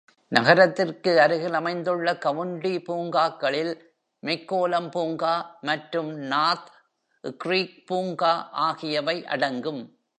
நகரத்திற்கு அருகில் அமைந்துள்ள கவுண்டி பூங்காக்களில் மெக்கோலம் பூங்கா மற்றும் நார்த் க்ரீக் பூங்கா ஆகியவை அடங்கும்.